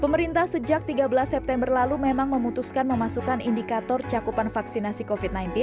pemerintah sejak tiga belas september lalu memang memutuskan memasukkan indikator cakupan vaksinasi covid sembilan belas